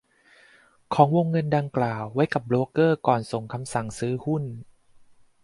ของวงเงินดังกล่าวไว้กับโบรกเกอร์ก่อนส่งคำสั่งซื้อหุ้น